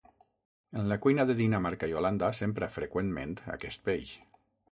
En la cuina de Dinamarca i Holanda s'empra freqüentment aquest peix.